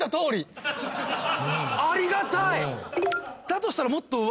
ありがたい！